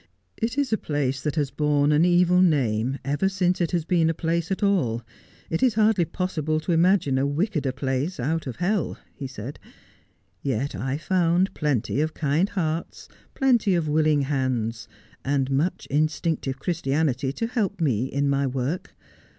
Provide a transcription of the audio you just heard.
' It is a place that has borne an evil name ever since it has been a place at all, it is hardly possible to imagine a wickeder place, out of hell,' he said, 'yet I found plenty of kind hearts, plenty of willing hands, and much instinctive Christianity to help me in my work.